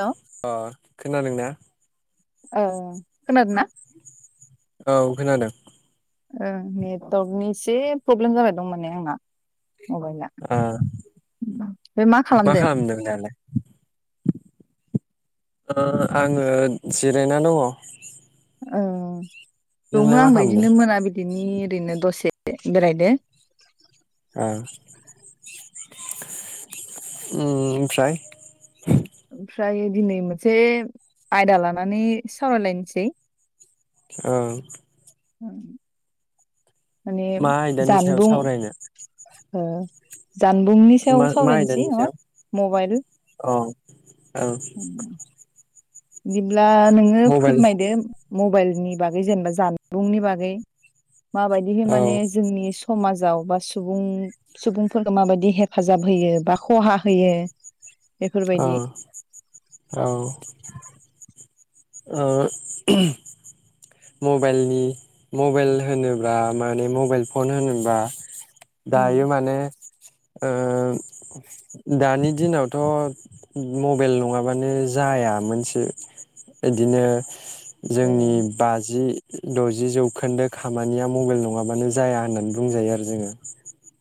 हेल' अ खोनादों ना ओ खोनादोंना औ खोनादों ओ नेटवारकनि एसे प्रब्लेम जाबाय दं माने आंना मबाइला ओ ओमफ्राय मा खालामदों खामदों दालाय? ओ आङो जिरायना दङ अ दङ नोंलाय मा आंबो खालामदों इदिनो मोना बिदिनि ओरैनो दसे बेरायदो आ ओम फ्राय [inaudible] ओमफ्राय दिनै मोनसे आयदा लानानै सावरायलायनोसै औ ओं माने मा आयदानि सायाव जानबुं सावरायनो ओ जानबुंनि सायाव मा मा सावरायनोसै आयदानि नङा सायाव मबाइल औ औ बि ब्ला नोङो मबाइल फोरमायदो मबाइल नि बागै जेनेबा जानबुंनि बागै माबायदिहै औ माने जोंनि समाज जाव बा सुबुं सुबुंफोरखौ माबायदि हेफाजाब होयो बा खहा होयो औ बेफोरबायदि औ ओ मबाइलनि मबाइल होनोब्ला माने मबाइल फन होनोबा दायो ओ माने ओ दानि दिनावथ' मबाइल नङाबानो जाया मोनसे इदिनो जोंनि बाजि द'जि जौखोन्दो खामानिया मबाइल नङाबानो जाया होननानै बुंजायो आरो जोङो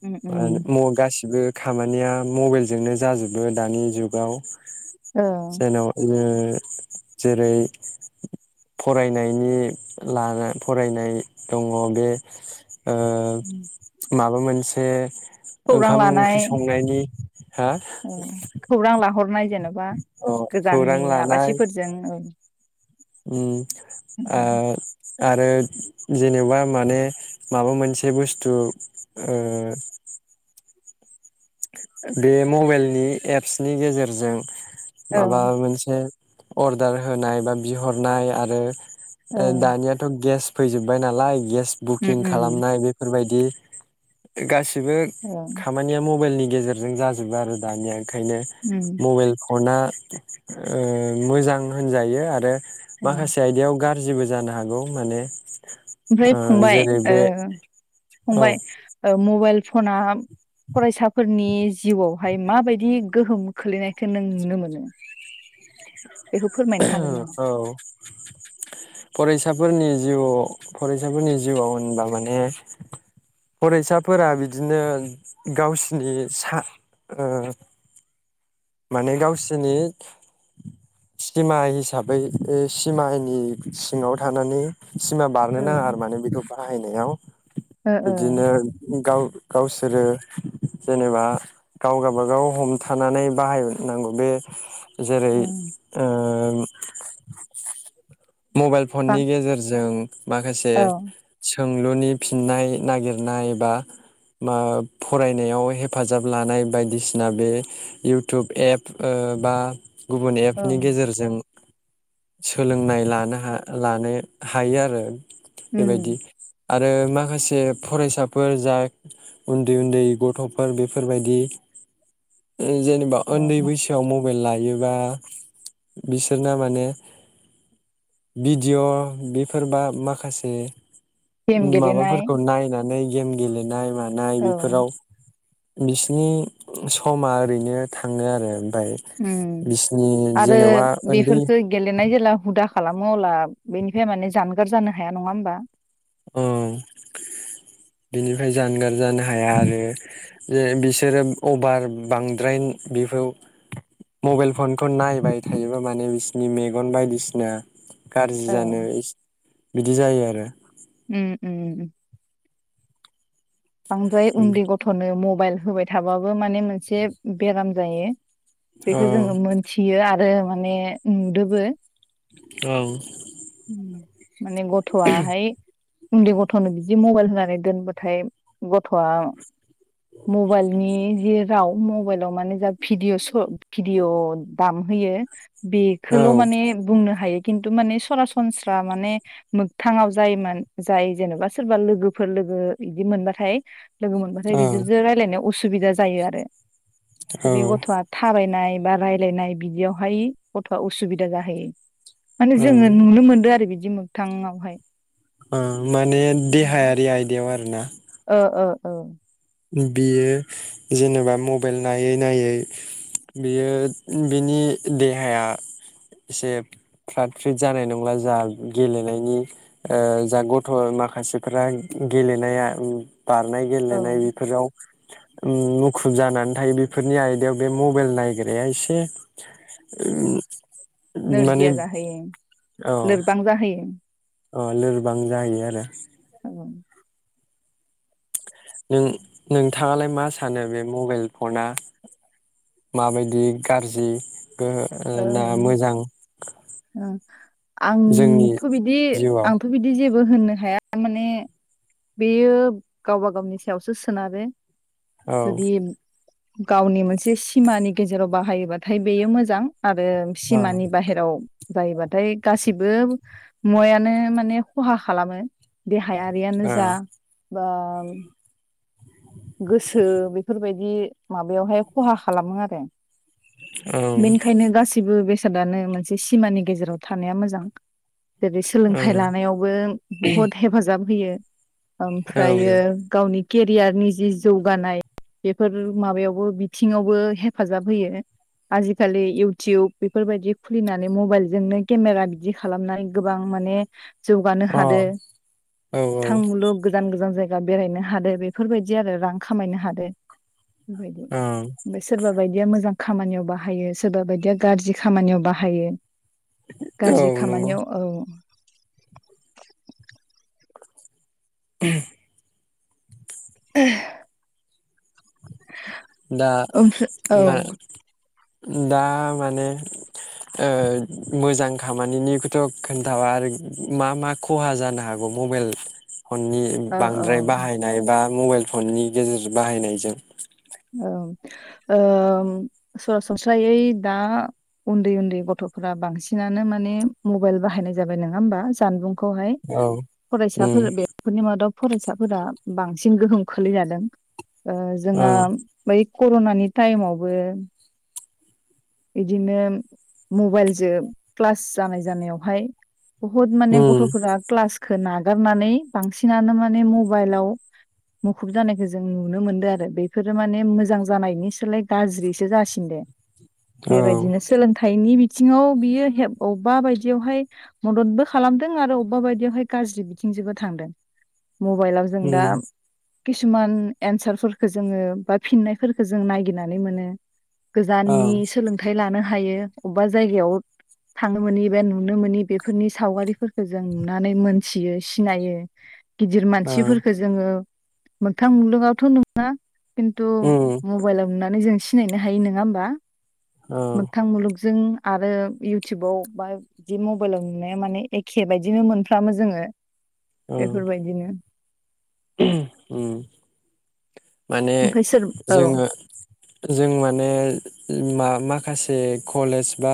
उम उम माहोन गाससिबो खामानिया मबाइलजोंनो जाजोबो दानि जुगाव ओ जायननाव जोङो ओ जेरै फरायनायनि लाना फरायनाय दङ बे ओ [inaudible] माबा मोनसे ओंखाम ओंख्रि संनायनि हा औ खौरां लाहरनाय जेनेबा अ बा खौरां गोजाननि लानाय आलासिफोरजों [inaudible] उम आ आरो जेनेबा माने माबा मोनसे बुस्थु ओ बे मबाइलनि एप्सनि गेजेरजों औ माबा मोनसे अर्डार होनाय बा बिहरनाय आरो औ दानिया थ' गेस फैजोब्बाय नालाय गेस उम बुकिं उम खालामनाय बेफोरबाय दि गास सिबो औ खामानिया माव मबाइलनि गेजेरजों जाजोबो आरो दानिया ओंखायनो उम मबाइल फना ओ मोजां होनजायो आरो ओ माखासे आयदायाव गार जिबो जानो हागौ माने ओमफ्राय ओ फंबाय जेरै बे ओ औ फंबाय ओ मबाइल फना फरायसाफोरनि जिउआवहाय माबायदि गोहोम खोलैनायखौ नों नुनो मोनो। बेखौ फोरमायनो हागोन नामा? औ फरायसाफोरनि जिउआव फरायसाफोरनि जिउआव होनबा माने फरायसाफोरा बिदिनो गावसिनि सा ओ माने गावसोरनि सिमा हिसाबै सिमानि सिङाव थानानै सिमा औ बारनो नाङा आरो माने बेखौ बाहायनायाव ओ बिदिनो गाव गावसोर सोरो जेनेबा गाव गाबागाव हमथानानै बाहायनांगौ बे जेरै ओ ओ उम मबाइल बा फननि गेजेरजों माखासे औ सोंलुनि फिननाय नागिरनाय बा फरायनायाव हेफाजाब लानाय बायदिसिना बे इउटुब एप ओ बा गुबुन औ एपनि गेजेरजों सोलोंनाय ला लानो हा हायो आरो। उम बेबायदि आरो माखासे फरायसाफोर जा उन्दै उन्दै गथ'फोर बेफोरबायदि। जेनेबा उन्दै औ बैसोआव मबा मबाइल लायोबा बिसोरना माने भिडिय' बेफोरबा माखासे गेम गेलेनाय माबाफोरखौ नायनाय नै गेम गेलेनाय मा नाय औ बेफोराव बिसिनि समा ओरैनो थाङो आरो। ओमफ्राय उम बिसिनि आरो जेनेबा उन्दै बेफोरखौ गेलेनाय जेला हुदा खा खालामो अब्ला बेनिफ्राय माने जानगार जानो हाया नङा होमबा? ओं बिनिफ्राय जानगार जानो हाया आरो जे बिसोरो अभार बांद्राय बेखौ मबाइल फनखौ नायबाय थायोबा माने बिसनि मेगन बायदिसिना गाज्रि औ जानो बिदि जायो आरो। रो उम उम। बांद्राय उन्दै गथ'नो मबाइल होबाय थाबाबो माने मोनसे बेराम जायो औ बेखौ जोङो मोनथियो [unintelligible] आरो माने नुदोबो। औ उम माने गथ'आहाय उन्दै गथ'नो बिदि मबाइल होनानै दोनबथाय गथ'आ मबाइलनि [unintelligible] राव मबाइलाव माने जा भिडअ स भिडिअ दामहयो औ बेखौल' माने बुंनो हायो। खिन्थु माने सरासनस्रा माने मोगथाङाव जायोमोन जाय जेनेबा सोरबा लोगोफोर लोगो बिदि मोनबा [unintelligible] लोगो मोनबाथाय औ बिसोरजों रायज्लायनायाव [unintelligible] उसुबिदा जायो आरो। औ बे गथ'आ थाबायनाय बा रायलायनाय बिदियावहाय गथ'आ उसुबिदा जाहैयो। माने औ जोङो नुनो मोनदो आरो बिदि मोगथाङावहाय। ओ माने देहायारि आयदायाव आरो ना? ओ ओ‌ ओ इबेयो जेनेबा मबाइल नायै- नायै बियो बिनि देहाया एसे फ्रात फ्रिद जानाय नंला जा गेलेनायनि ओ जा गथ' माखासेफ्रा गेलेनाया उम बारनाय औ गेलेनाय [unintelligible] उम मुखुब जानानै थायो बेफोरनि आयदायाव बे मबाइल नायग्राया एसे उम नोरजिया जाहोयो लोरबां जाहोयो। अ लोरबां जाहैयो आरो। औ नों- नोंथाङालाय मा सानो बे मबाइल फना माबायदि गारजि? ओ ओ ओ जोंनि आंथ' बिदि जिउआव आंथ' बिदि [unintelligible] [unintelligible] होननो हाया माने बेयो गावबा गावनि सायावसो सोनारो। औ जुदि गावनि मोनसे सिमानि गेजेराव बाहायोबाथाय बेयो मोजां। आरो सिमानि बाहेराव जायोबाथाय गासिबो मुवायानो माने खहा खालामो देहा औ [unintelligible] जा बा गोसो बेफोरबायदि माबायावहाय खहा खालामो आरो औ बेनिखायनो गासिबो बेस बेसादानो मोनसे सिमानि गेजेराव थानाया मोजां। जेरै सोलोंथाइ औ लानायावबो बुहुत हेफाजाब होयो। औ ओमफ्रायो अ गावनि केेरियार निस जि जौगानाय बेफोर माबायावबो बिथिङावबो हेफाजाब होयो आजिखालि इउटुब बेफोरबायदि खुलिनानै मबाइलजोंनो केमेरा बिदि खालामनाय गोबां माने जौगानो हादो औ थां मुलुग गोजान गोजान जाय गा बेरायनो हादों बेफोरबायदि दि आरो रां खामायनो हादो‌। बेबायदि औ ओमफ्राय सोरबा बायदिया मोजां खामानियाव बाहायो सोरबा बायदिया गाज्रि खामानियाव बाहायो। गाज्रि औ नंगौ खामानियाव औ ह। [unintelligible] दा मफ्राय मा औ। दा माने ओ मोजां खामानिनिखौथ' खोन्थाबा आरो मा मा खहा जानो हागौ मबाइल फननि औ बांद्राय औ बाहायनाय बा मबाइल फननि गेजेरजों बाहायनायजों औ सरासनस्रायै दा उन्दै उन्दै गथ'फोरा बांसिनानो माने मबाइल बाहायनाय जाबाय नङा होमबा जानबुं- खौहाय औ उम फरायसाफोर बेफोरनि मादाव फरायसाफोरा बांसिन गोहोम खोलैजादों। ओ जोहा बे कर'नानि टाइमावबो बिदिनो मबाइलजों क्लास जानाय जानायावहाय बुहुत माने उम गथ'फोरा क्लास खौ नागारनानै बांसिनानो माने मबाइलाव मुखुब जानायखौ जों नुनो मोनदों आरो बेफोरो माने मोजां जानायनिसोलाय गाज्रिसो जासिन दों। औ बेबायदिनो सोलोंथाइनि बिथिङाव बियो बबेबा बायदियावहाय मददबो खालामदों आरो अबेबा बायदियावहाय गाज्रि बिथिंजोंबो थांदों। मबाइलाव जों दा उम किसुमान एन्सारफोरफोरखौ जोङो बा फिननायफोरखौ जों ननायगिरनानै मोनो गोजाननि ओं लानो हायो अबेबा जायगायाव थांनो मोननि एबा नुनो मोननि बेफोरनि सावगारिफोरखौ जों नुनानै मोनथियो सिनायो। गिदिर ओं मानसिफोरफोरखो जोङो मोगथां मुलुगावथ' नुआ खिन्थु उम मबाइलाव नुनानै जों सिनायनो हायो नोङा होमबा। औ मोगथां मुलुगजों आरो इउटुबाव बा बिदि मबाइलाव नुनाया माने एखे बायदिनो मोनफ्रामो जोङो। ओं बेफोरबायदिनो। [unintelligible] उम माने ओमफ्राय सोर औ जोङो जों माने मा माखासे कलेज बा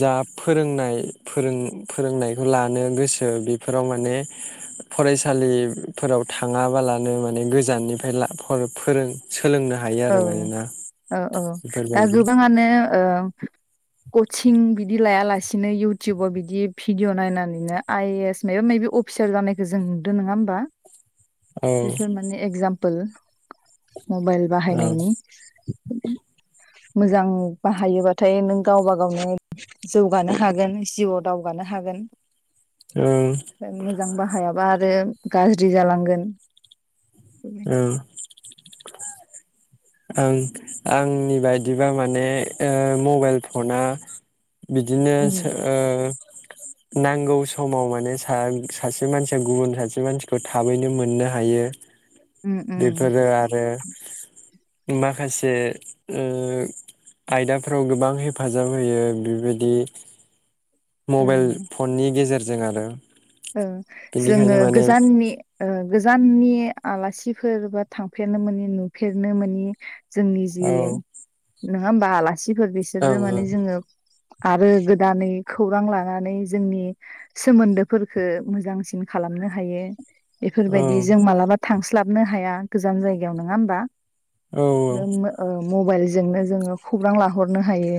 जा फोरोंनाय फोरों फोरोंनायखौ लानो गोसो बेफोराव माने फरायसालिफोराव थाङाबालानो माने गोजाननि ला फोर फोरों औ आरो मानोना औ औ दा बेफोरबायदि गोबाङानो ओ कचिं बिदि लायालासिनो इउटुबाव बिदि भिडिअ' नायनानैनो आइ ए एस माबा माबि अफिसार जानायखौ जों नुदों नङा होमबा औ बेफोर माने एक्जाम पोल मबाइल औ बाहायनायनि। मोजां बाहायोबाथाय नों गावबा गावनो जौगानो हागोन जिउआव दावगानो हागोन। ओं ओं मोजां बाहायाबा आरो गाज्रि जालांगोन। औ। ओं आंनि बायदिबा माने ओ मबाइल फना बिदिनो उम सो ओ नांगौ समाव माने सा-सासे मानसिया गुबुन सासे मानसिखौ थाबैनो मोननो हायो। उम उम बेफोरो आरो माखासे ओ आयदाफ्राव गोबां हेफाजाब होयो बेबायदि। मबाइल फननि गेजेर जों आरो ओ जोङो बेनिखायनो माने गोजाननि ओ गोजाननि आलासिफोर बा थांफेरनो मोनि नुफेरनो मोनि जोंनि जि औ नोङा ओमबा आला सिफोर ओं बिसोरजो माने जोङो आरो गोदानै खौरां लानानै जोंनि सोमोन्दो फोरखो मोजांसिन खालामनो हायो। बेफोरबायदि जों मालाबा थांस स्लाबनो हाया गोजान जायगायाव नङा होमबा। औ ओं ओम ओ मबाइल जोंनो जोङो खौरां लाहरनो हायो‌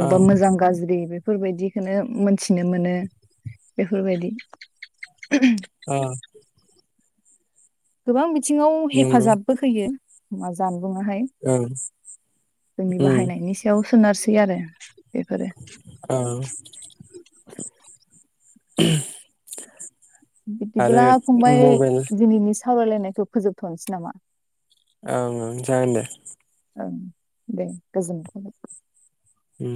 अबबा मोजां गाज्रि बे बेफोरबायदिखोनो मोनथिनो मोनो। बेफोरबायदि अ गोबां बि थिङाव नंगौ हेफाजाबबो होयो। माजान बुङाहाय ओं जोंनि बाहायनायनि सायावस सोनारसै आरो बेफोरो औ [inaudible] आरो बिदिब्ला फंबाय मबाइल दिनैनिस सावरायलायनायखौ फोजोबथ'नोसै नामा? ओं ओं जागोन दे। ओं दे गोजोनथों उ